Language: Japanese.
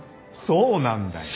そうなんだよ。